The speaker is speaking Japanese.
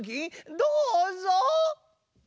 どうぞ。